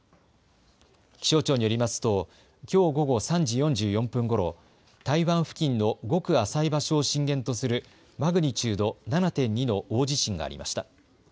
気象庁によりますときょう午後３時４４分ごろ台湾付近のごく浅い場所を震源とするマグニチュード７．２の大地震がありました。